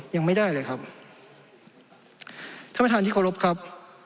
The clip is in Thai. ยังไม่ได้เลยครับท่านประธานที่เคารพครับ